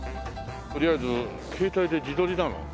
とりあえず携帯で自撮りだの。